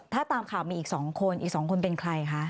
ถ้าตามข่าวมีอีก๒คนอีก๒คนเป็นใครคะ